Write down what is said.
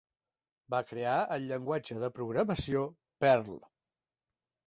Va crear el llenguatge de programació Perl.